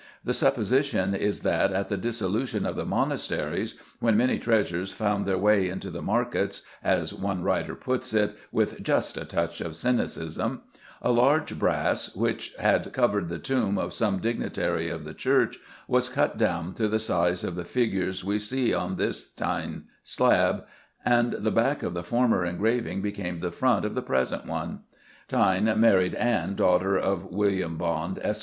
The supposition is that, at the dissolution of the monasteries, "when many treasures found their way into the markets" as one writer puts it, with just a touch of cynicism a larger brass, which had covered the tomb of some dignitary of the Church, was cut down to the size of the figures we see on this Thynne slab, and the back of the former engraving became the front of the present one. Thynne "married Ann, daughter of William Bonde, Esq.